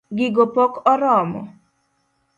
Gigo pok oromo?